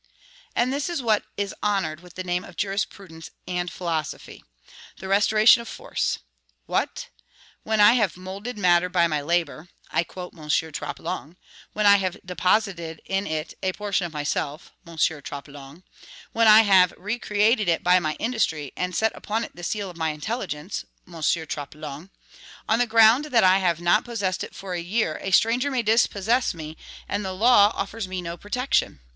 '" And this is what is honored with the name of jurisprudence and philosophy, the restoration of force. What! when I have "moulded matter by my labor" [I quote M. Troplong]; when I have "deposited in it a portion of myself" [M. Troplong]; when I have "re created it by my industry, and set upon it the seal of my intelligence" [M. Troplong], on the ground that I have not possessed it for a year, a stranger may dispossess me, and the law offers me no protection!